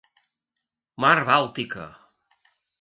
Mar Bàltica.